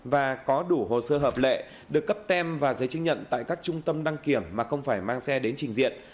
và có đủ hồ sơ hợp lệ được cấp tem và giấy chứng nhận tại các trung tâm đăng kiểm mà không phải mang xe đến trình diện